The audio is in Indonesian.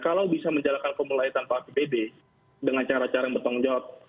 kalau bisa menjalankan formula e tanpa apb dengan cara cara yang bertanggung jawab